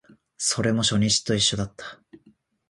それも初日と一緒だった